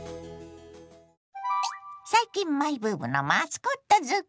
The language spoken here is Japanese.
最近マイブームのマスコットづくり。